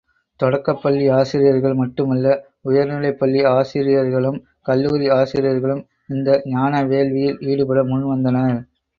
தொடக்கப் பள்ளி ஆசிரியர்கள் மட்டுமல்ல, உயர்நிலைப்பள்ளி ஆசிரியர்களும் கல்லூரி ஆசிரியர்களும், இந்த ஞான வேள்வியில் ஈடுபட முன் வந்தனர்.